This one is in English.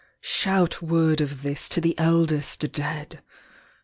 Shout word of this To the eldest dead!